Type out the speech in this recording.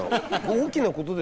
大きなことですよ。